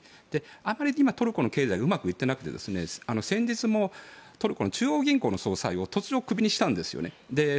あまりトルコの経済がうまくいっていなくて先日もトルコの中央銀行の総裁を突如、クビにしたんですよね。